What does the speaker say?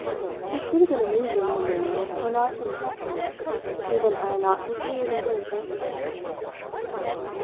This would have been a reason the more for not interrupting it even had I not peculiarly wished to respect it.